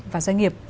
và doanh nghiệp